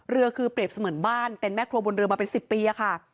เรือคือเปรียบเสมือนบ้านเป็นแม่ครัวบนเรือมาเป็น๑๐ปีค่ะ